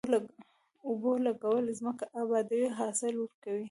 اوبو لګول ځمکه ابادوي او حاصل ورکوي.